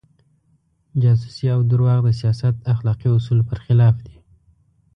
جاسوسي او درواغ د سیاست اخلاقي اصولو پر خلاف دي.